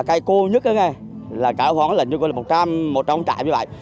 cây cua nhất là một trăm linh trại như vậy